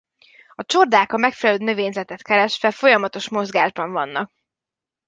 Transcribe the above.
A csordák a megfelelő növényzetet keresve folyamatos mozgásban vannak.